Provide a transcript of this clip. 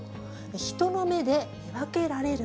人の目で見分けられる？